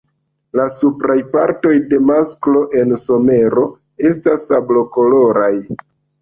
La supraj partoj de masklo en somero estas sablokoloraj.